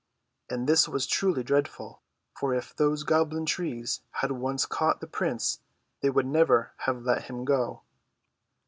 And this was truly dreadful ; for if those goblin trees had once caught the prince, they would never have let him go.